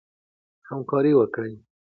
همکاري وکړئ.